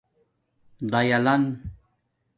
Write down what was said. دایلَن